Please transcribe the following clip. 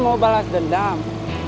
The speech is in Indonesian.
mau balas dendam